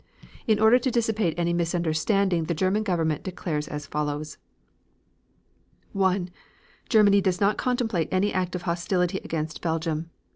In order to dissipate any misunderstanding the German Government declares as follows: 1. Germany does not contemplate any act of hostility against Belgium.